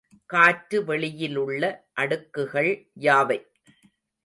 காற்று வெளியிலுள்ள அடுக்குகள் யாவை?